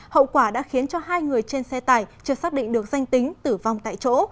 hậu quả đã khiến cho hai người trên xe tải chưa xác định được danh tính tử vong tại chỗ